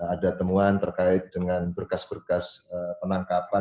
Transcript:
ada temuan terkait dengan berkas berkas penangkapan